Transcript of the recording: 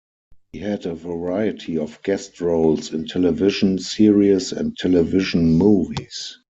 He had a variety of guest roles in television series and television movies.